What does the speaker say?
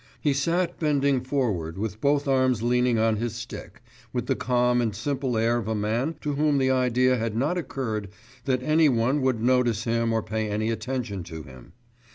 He sat bending forward with both arms leaning on his stick, with the calm and simple air of a man to whom the idea had not occurred that any one would notice him or pay any attention to him.